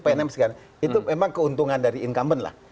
itu memang keuntungan dari incumbent lah